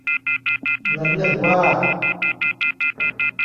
เหมือนหนึ่งว่า